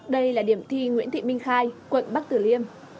đây là điểm thi nguyễn thị minh khai quận bắc tử liêm